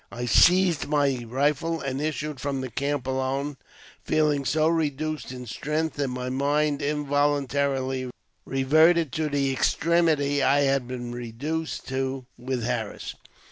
I seized my rifle and issued from the camp alone, feeling so reduced in strength that my mind involuntarily reverted to the extremity I had been reduced to with Harris.